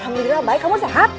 alhamdulillah baik kamu sehat